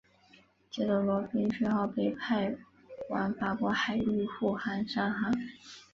接着罗宾逊号被派往法国海域护航商船。